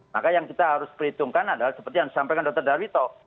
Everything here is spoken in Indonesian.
maka yang kita harus perhitungkan adalah seperti yang disampaikan dr darwito